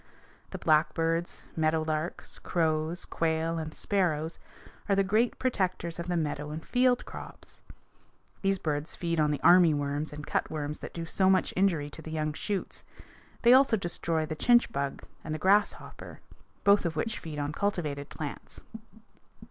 The blackbirds, meadow larks, crows, quail, and sparrows are the great protectors of the meadow and field crops. These birds feed on the army worms and cutworms that do so much injury to the young shoots; they also destroy the chinch bug and the grasshopper, both of which feed on cultivated plants.